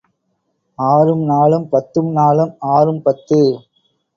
ஆறும் நாலும் பத்து நாலும் ஆறும் பத்து.